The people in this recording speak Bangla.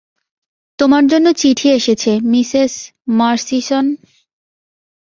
তোমার জন্য চিঠি এসেছে, মিসেস মার্চিসন।